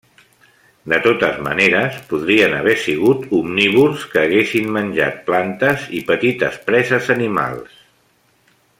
De totes maneres podrien haver sigut omnívors que haguessin menjat plantes i petites preses animals.